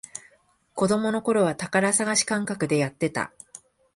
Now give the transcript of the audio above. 子供のころは宝探し感覚でやってた